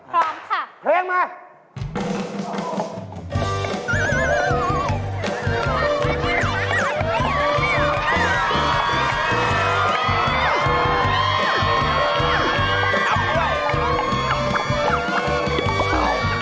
พร้อมค่ะเรียกมา